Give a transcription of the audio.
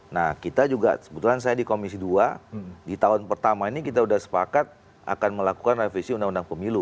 nah kita juga sebetulnya saya di komisi dua di tahun pertama ini kita sudah sepakat akan melakukan revisi undang undang pemilu